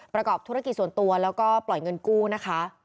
ประกอบธุรกิจส่วนตัวแล้วก็ปล่อยเงินกู้นะคะ